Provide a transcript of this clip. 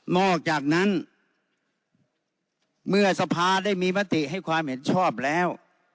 อกจากนั้นเมื่อสภาได้มีมติให้ความเห็นชอบแล้ว